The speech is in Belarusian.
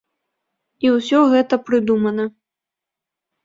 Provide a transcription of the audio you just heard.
І ўсё гэта прыдумана.